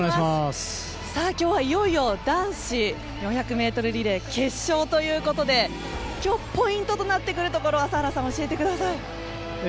今日はいよいよ男子４００ｍリレー決勝ということで今日、ポイントとなってくるところ朝原さん教えてください。